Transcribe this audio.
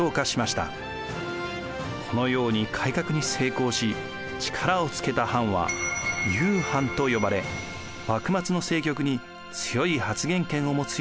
このように改革に成功し力をつけた藩は雄藩と呼ばれ幕末の政局に強い発言権を持つようになりました。